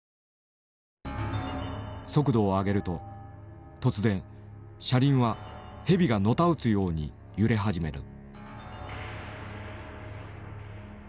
速度を上げると突然車輪は蛇がのたうつように揺れ始める。